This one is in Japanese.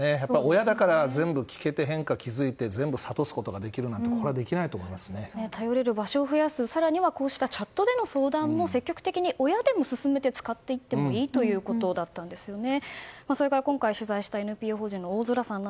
親だから全部聞けて変化に気づけて全部諭すことができるなんて頼れる場所を増やす更にはこうしたチャットでの相談を親でも勧めて使っていってもいいということだったんですよね。